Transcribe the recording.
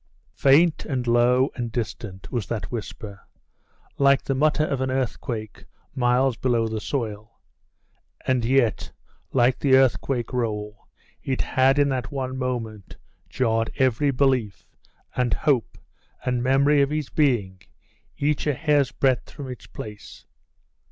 Faint, and low, and distant, was that whisper, like the mutter of an earthquake miles below the soil. And yet, like the earthquake roll, it had in that one moment jarred every belief, and hope, and memory of his being each a hair's breadth from its place....